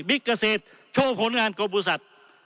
มิกเกษตรโชว์ผลงานกรมศาสตร์